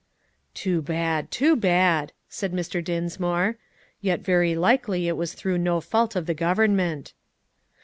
"Too bad! too bad!" said Mr. Dinsmore; "yet very likely it was through no fault of the government."